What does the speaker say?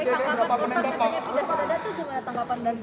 ustaz katanya bisa tidak ada tanggapan dari dokter